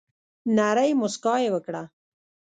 نرۍ مسکا یي وکړه